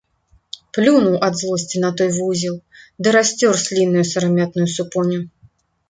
Плюнуў ад злосці на той вузел ды расцёр слінаю сырамятную супоню.